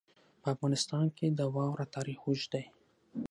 په افغانستان کې د واوره تاریخ اوږد دی.